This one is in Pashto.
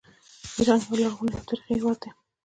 ایران یو لرغونی او تاریخي هیواد دی.